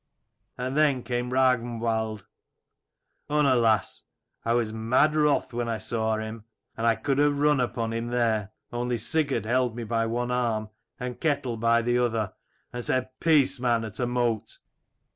And then came Ragnwald. " Unna, lass, I was mad wrath when I saw him, and I could have run upon him there: only Sigurd held me by one arm and Ketel by the other, and said ' Peace, man, at a mote